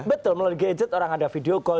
betul melalui gadget orang ada video call